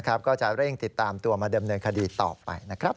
ก็จะเร่งติดตามตัวมาดำเนินคดีต่อไปนะครับ